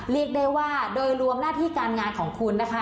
เรียกได้ว่าโดยรวมหน้าที่การงานของคุณนะคะ